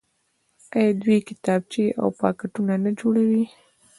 آیا دوی کتابچې او پاکټونه نه جوړوي؟